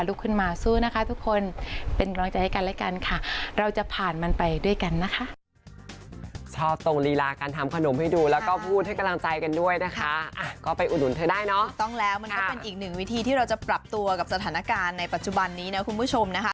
ลุกขึ้นมาสู้นะคะทุกคนเป็นกำลังใจให้กันและกันค่ะเราจะผ่านมันไปด้วยกันนะคะ